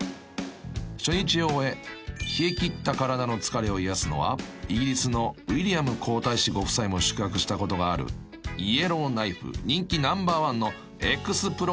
［初日を終え冷え切った体の疲れを癒やすのはイギリスのウィリアム皇太子ご夫妻も宿泊したことがあるイエローナイフ人気ナンバーワンの］